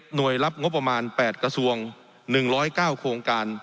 หน่วยรับงบประมาณ๘กระทรวง๑๐๙โครงการ